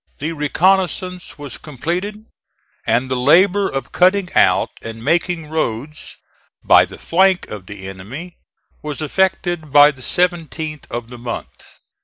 The reconnoissance was completed, and the labor of cutting out and making roads by the flank of the enemy was effected by the 17th of the month.